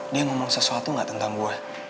dia ngomong sesuatu gak tentang gue